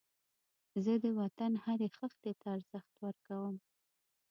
زه د وطن هرې خښتې ته ارزښت ورکوم